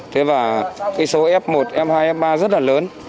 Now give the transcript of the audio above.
thế và cái số f một f hai f ba rất là lớn